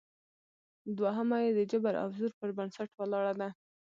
دوهمه یې د جبر او زور پر بنسټ ولاړه ده